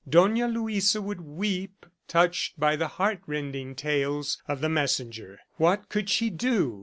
Dona Luisa would weep, touched by the heartrending tales of the messenger. What could she do!